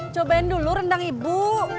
cobain dulu rendang ibu